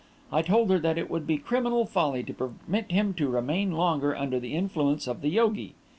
I told her that it would be criminal folly to permit him to remain longer under the influence of the yogi.